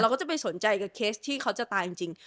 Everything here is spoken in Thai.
ก็จะไปสนใจกับเคสที่เขาจะตายจริง